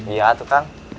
iya tuh kang